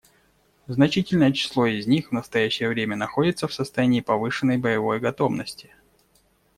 Значительное число из них в настоящее время находятся в состоянии повышенной боевой готовности.